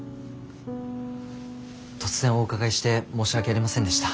突然お伺いして申し訳ありませんでした。